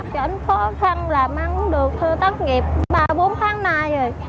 chỉ có khó khăn là mang được thơ tắt nghiệp ba bốn tháng nay rồi